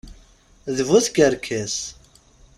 D bu tkerkas.